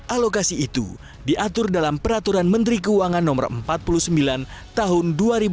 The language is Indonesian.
alokasi itu diatur dalam peraturan menteri keuangan no empat puluh sembilan tahun dua ribu dua puluh